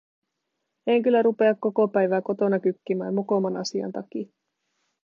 En kyllä rupea koko päivää kotona kykkimään mokoman asian takia.